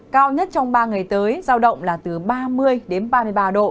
cao nhất trong ba ngày tới giao động là từ ba mươi đến ba mươi ba độ